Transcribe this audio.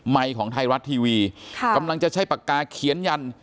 ของไทยรัฐทีวีค่ะกำลังจะใช้ปากกาเขียนยัน